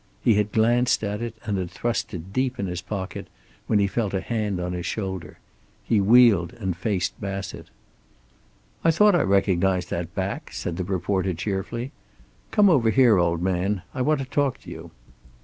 He had glanced at it and had thrust it deep in his pocket, when he felt a hand on his shoulder. He wheeled and faced Bassett. "I thought I recognized that back," said the reporter, cheerfully. "Come over here, old man. I want to talk to you."